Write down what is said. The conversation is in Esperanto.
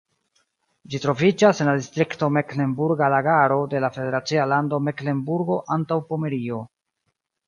Ĝi troviĝas en la distrikto Meklenburga Lagaro de la federacia lando Meklenburgo-Antaŭpomerio.